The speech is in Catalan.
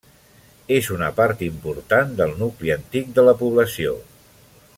És una part important del nucli antic de la població.